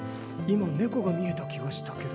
今猫が見えた気がしたけど。